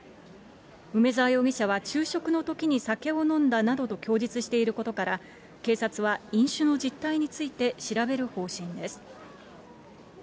梅沢容疑者は昼食のときに酒を飲んだなどと供述していることから、警察は飲酒の実態について調べる方針です。